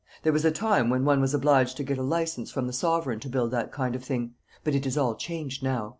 There was a time when one was obliged to get a license from the sovereign to build that kind of thing; but it is all changed now.